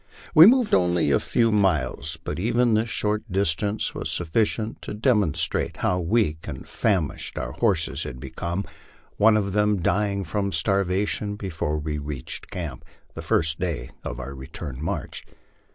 We moved only a few miles, but even this short distance was sufficient to demonstrated how weak and famished our horses had become, one of them dy ing from starvation before we reached camp, the first day of our return march.